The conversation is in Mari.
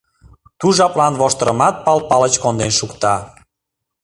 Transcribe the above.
Ту жаплан воштырымат Пал Палыч конден шукта.